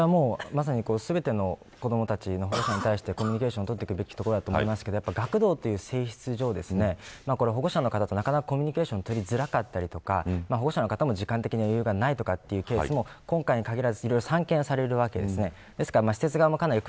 それはもう、まさに全ての子どもたちの親に対してコミュニケーションをとっていくべきところだと思いますが学童という性質上保護者の方となかなかコミュニケーションが取りづらかったり保護者の方も時間的に余裕がないということも、今回に限らず散見されるわけです。